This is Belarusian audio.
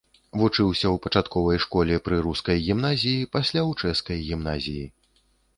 Вучыўся ў пачатковай школе пры рускай гімназіі, пасля ў чэшскай гімназіі.